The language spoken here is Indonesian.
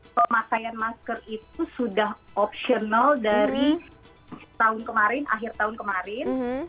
pemakaian masker itu sudah optional dari tahun kemarin akhir tahun kemarin